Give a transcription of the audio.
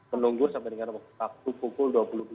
menunggu sampai dengan waktu pukul dua puluh tiga